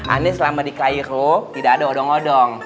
ini selama di kairo tidak ada odong odong